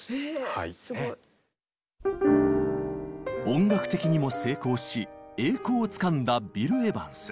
音楽的にも成功し栄光をつかんだビル・エヴァンス。